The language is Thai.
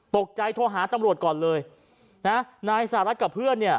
โทรหาตำรวจก่อนเลยนะนายสหรัฐกับเพื่อนเนี่ย